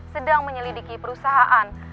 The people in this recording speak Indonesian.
sedang menyelidiki perusahaan